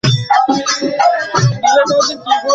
ঠিক আছে, আসুন, আসুন!